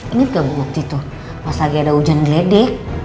ingat gak bu waktu itu pas lagi ada hujan geledek